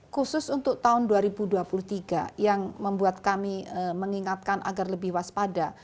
khusus untuk tahun dua ribu dua puluh tiga yang membuat kami mengingatkan agar lebih waspada